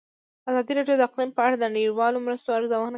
ازادي راډیو د اقلیم په اړه د نړیوالو مرستو ارزونه کړې.